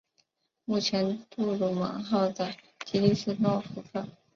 目前杜鲁门号的基地是诺福克。